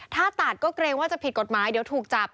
ถ้าตัดก็เกรงว่าจะผิดกฎหมายเดี๋ยวถูกจับ